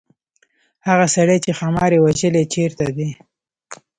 هغه سړی چې ښامار یې وژلی چيرته دی.